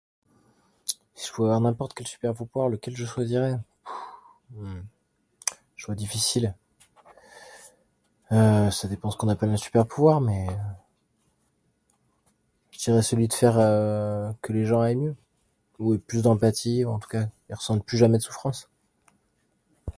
Si je pouvais avoir n'importe quel super-pouvroir lequel je choisirais? Pfff... Choix difficile... Ca dépend ce qu'on appelle un super-pouvoir mais... je dirais celui de faire que les gens aillent mieux, ou aient plus d'empathie, en tout cas y ressentent plus jamais de souffrance.